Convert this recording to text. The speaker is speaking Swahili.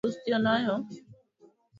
kwa sababu asilimia kubwa ya maisha haya